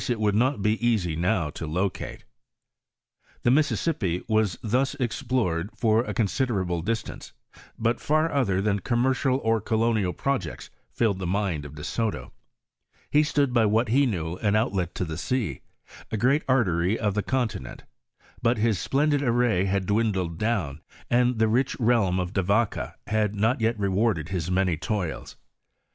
i., p. 6L .1? mi XIV HI8T0BT OF THB DISOOVBBT ■ for a considerable distance ; but far other than commercial or colonial projects filled the mind of Be Soto ; he stood bj what he knew an outlet to the sea, a great artery of the con tinent, but his splendid array had dwindled down, and the rich realm of De Vaca had not yet rewarded his many toils.